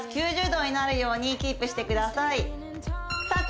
９０度になるようにキープしてくださいさあ